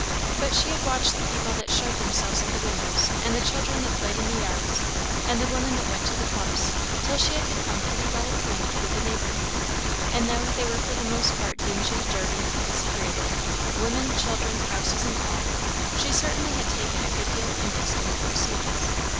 But she had watched the people that showed themselves at the windows, and the children that played in the yards, and the women that went to the pumps, till she had become pretty well acquainted with the neighbourhood; and though they were for the most part dingy, dirty, and disagreeable women, children, houses, and all she certainly had taken a good deal of interest in their proceedings.